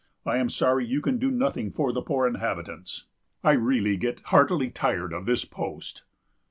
I am sorry you can do nothing for the poor inhabitants.... I really get heartily tired of this post."